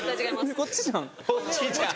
こっちじゃん！